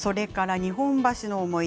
日本橋の思い出